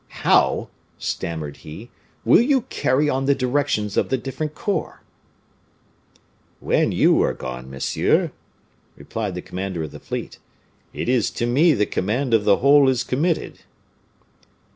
"How," stammered he, "will you carry on the directions of the different corps?" "When you are gone, monsieur," replied the commander of the fleet, "it is to me the command of the whole is committed."